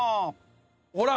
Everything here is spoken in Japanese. ほら。